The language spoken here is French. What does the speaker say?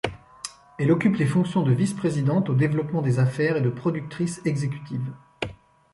Elle occupe les fonctions de vice-présidente au développement des affaires et de productrice exécutive.